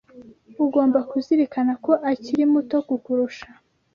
Ugomba kuzirikana ko akiri muto kukurusha.